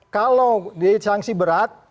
kalau di sanksi berat